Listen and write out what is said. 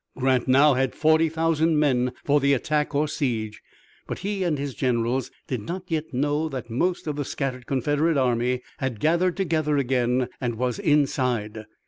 Grant now had forty thousand men for the attack or siege, but he and his generals did not yet know that most of the scattered Confederate army had gathered together again, and was inside.